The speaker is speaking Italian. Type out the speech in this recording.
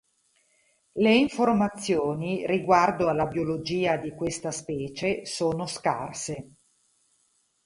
Le informazioni riguardo alla biologia di questa specie sono scarse.